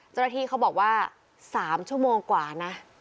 เจ้าหน้าที่เขาบอกว่า๓ชั่วโมงกว่านะ